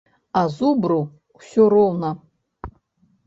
А зубру ўсё роўна.